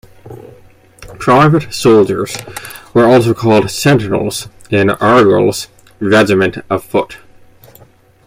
Private soldiers were also called "Sentinels" in Argyll's regiment of Foot.